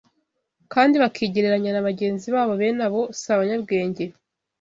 kandi bakigereranya na bagenzi babo, bene abo si abanyabwenge